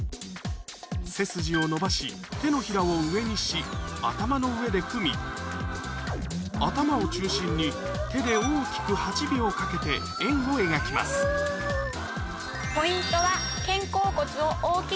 背筋を伸ばし手のひらを上にし頭の上で組み頭を中心に手で大きく８秒かけて円を描きますポイントは。